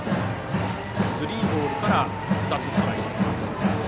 スリーボールから２つストライク。